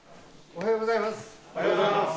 おはようございます。